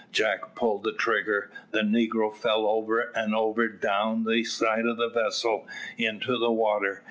Jack pulled the trigger; the negro fell over and over down the side of the vessel into the water.